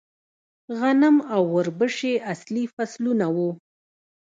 غنم او وربشې اصلي فصلونه وو